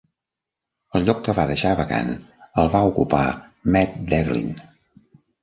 El lloc que va deixar vacant el va ocupar Matt Devlin.